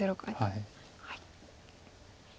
はい。